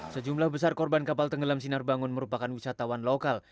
sejumlah besar korban kapal tenggelam sinar bangun merupakan wisatawan lokal